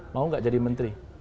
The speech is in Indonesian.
mau gak jadi menteri